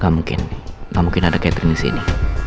mungkin mungkin ada catherine sini